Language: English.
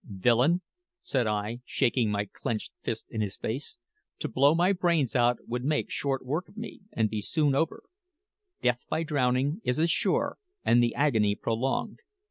"Villain," said I, shaking my clenched fist in his face, "to blow my brains out would make short work of me, and be soon over; death by drowning is as sure, and the agony prolonged.